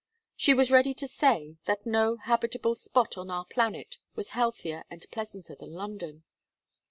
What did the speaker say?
She was ready to say, that no habitable spot on our planet was healthier and pleasanter than London.